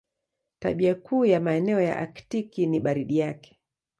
Tabia kuu ya maeneo ya Aktiki ni baridi yake.